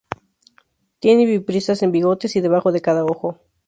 Tiene vibrisas en bigotes y debajo de cada ojo.